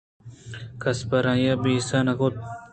کس پر آئی ءَ بیسہ نہ کنت